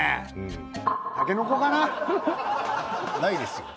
ないですよ。